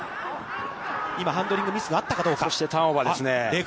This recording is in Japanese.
今ハンドリングミスがあったかどうか。